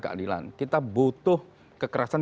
keadilan kita butuh kekerasan